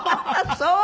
そう。